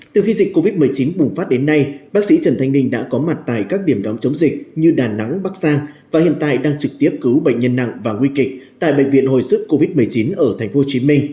từ khi dịch covid một mươi chín bùng phát đến nay bác sĩ trần thanh ninh đã có mặt tại các điểm đóng chống dịch như đà nẵng bắc giang và hiện tại đang trực tiếp cứu bệnh nhân nặng và nguy kịch tại bệnh viện hồi sức covid một mươi chín ở tp hcm